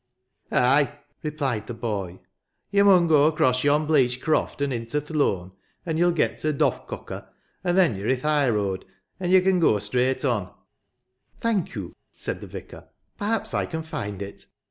*' Ay," replied the boy, *' yo' mun go across yon bleach croft and j8 RiVERTON. into th' loan, and yo'll get to Doffcocker, and then yo're i' th* high road, and yo^ can go straight on." " Thank you," said the vicar ;" perhaps I can find it.